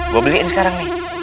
gue beliin sekarang nih